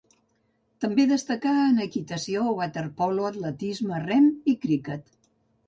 També destacà en equitació, waterpolo, atletisme, rem i criquet.